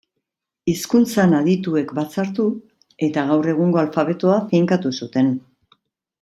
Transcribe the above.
Hizkuntzan adituek batzartu eta gaur egungo alfabetoa finkatu zuten.